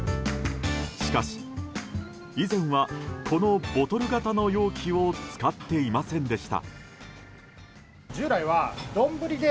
しかし、以前はこのボトル型の容器を使っていませんでした。